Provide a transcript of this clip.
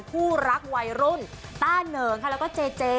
คู่รักวัยรุ่นต้าเหนิงค่ะแล้วก็เจเจ